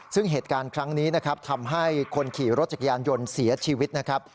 ซึ่งเหตุการณ์ครั้งนี้นะครับทำให้คนขี่รถจักรยานยนต์เสียชีวิตนะครับ